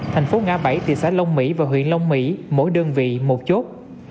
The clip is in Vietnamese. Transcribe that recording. thành phố ngã bảy tỉnh xã lông mỹ và huyện lông mỹ mỗi đơn vị một chốt